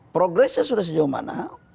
progresnya sudah sejauh mana